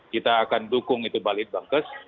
kita akan dukung itu balik bangkus